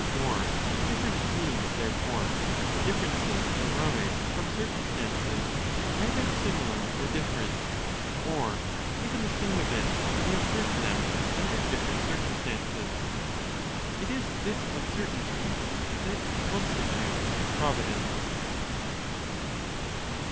For different beings, therefore, the differences arise from circumstances either similar or different, or even the same events may occur to them under different circumstances. It is this (uncertainty) that constitutes Providence.